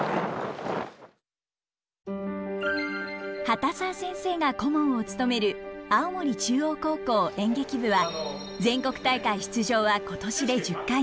畑澤先生が顧問を務める青森中央高校演劇部は全国大会出場は今年で１０回目。